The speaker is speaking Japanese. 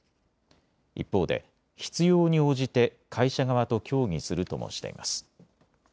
一方で必要に応じて会社側と協議するともしています。